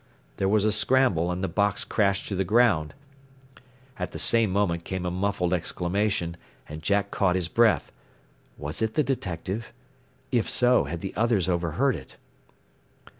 _" There was a scramble, and the box crashed to the ground. At the same moment came a muffled exclamation, and Jack caught his breath. Was it the detective? If so, had the others overheard it?